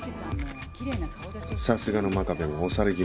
さすがの真壁も押され気味ですね。